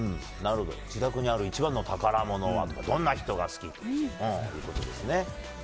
自宅にある一番の宝物は？とかどんな人が好き？ということですね。